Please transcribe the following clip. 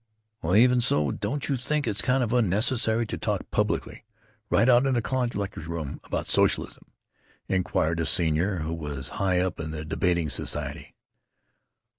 "Well, even so, don't you think it's kind of unnecessary to talk publicly, right out in a college lecture room, about socialism?" inquired a senior who was high up in the debating society.